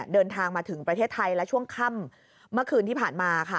เดินทางมาถึงประเทศไทยและช่วงค่ำเมื่อคืนที่ผ่านมาค่ะ